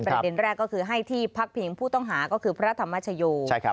ประเด็นแรกก็คือให้ที่พักพิงผู้ต้องหาก็คือพระธรรมชโย